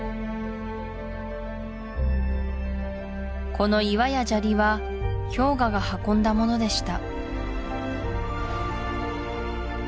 この岩や砂利は氷河が運んだものでした